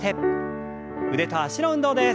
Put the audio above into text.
腕と脚の運動です。